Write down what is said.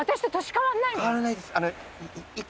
変わらないです。